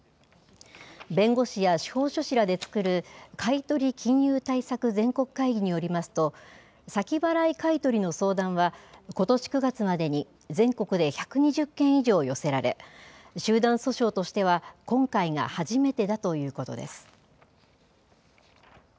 弁護士や司法書士らで作る買い取り金融対策全国会議によりますと、先払い買い取りの相談は、ことし９月までに全国で１２０件以上寄せられ、集団訴訟としては今回が初めてだということです。